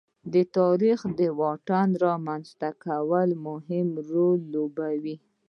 تاریخ د واټن رامنځته کولو کې مهم رول لوبوي.